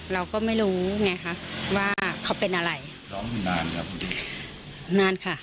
เราก็ไม่รู้ไงคะว่าเขาเป็นอะไรร้องอยู่นานครับนานค่ะ